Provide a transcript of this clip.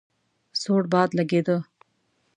سوړ باد لګېده.